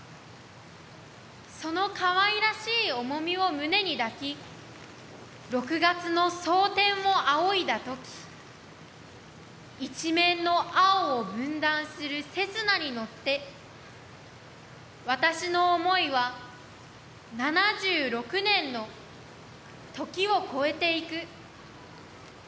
その可愛らしい重みを胸に抱き、６月の蒼天を仰いだ時一面の青を分断するセスナにのって私の思いは７６年の時を超えていく